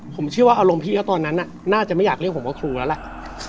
ผมเชื่อว่าอารมณ์พี่เขาตอนนั้นน่าจะไม่อยากเรียกผมว่าครูแล้วล่ะ